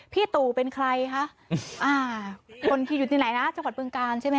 พี่ตู่เป็นใครคะคนที่อยู่ที่ไหนนะจังหวัดเบื้องกาลใช่ไหมค่ะ